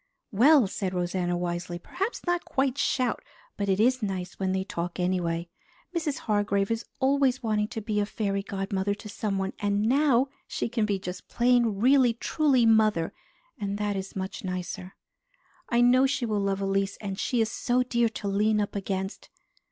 "Well," said Rosanna wisely, "perhaps not quite shout, but it is nice when they talk anyway. Mrs. Hargrave is always wanting to be a fairy godmother to someone, and now she can be just plain really truly mother, and that is much nicer. I know she will love Elise, and she is so dear to lean up against.